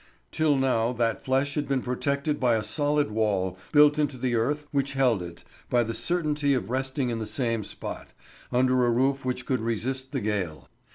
Till now that flesh had been protected by a solid wall built into the earth which held it, by the certainty of resting in the same spot, under a roof which could resist the gale.